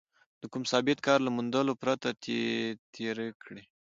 د کوم ثابت کار له موندلو پرته تېره کړې.